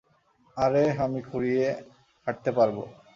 আরেহ, আমি খুঁড়িয়ে হাঁটতে পারব।